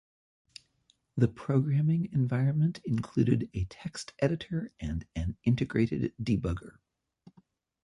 The programming environment included a text editor and an integrated debugger.